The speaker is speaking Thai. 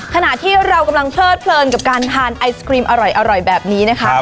ขณะที่เรากำลังเพลิดเพลินกับการทานไอศครีมอร่อยแบบนี้นะคะ